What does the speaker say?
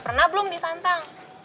pernah belum disantang